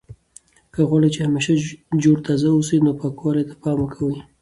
که غواړئ چې همیشه جوړ تازه اوسئ نو پاکوالي ته پام کوئ.